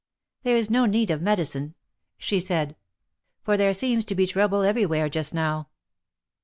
There is no need of medicine," she said ; for there seems to be trouble everywhere just now."